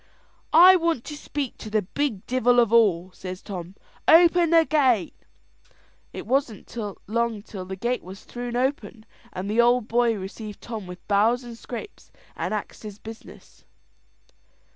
"I want to speak to the big divel of all," says Tom: "open the gate." It wasn't long till the gate was thrune open, and the Ould Boy received Tom with bows and scrapes, and axed his business.